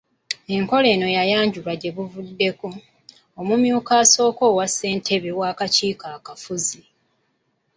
Enkola eno yayanjulwa gyebuvuddeko, Omumyuka Asooka owa Ssentebe w'Akakiiko Akafuzi.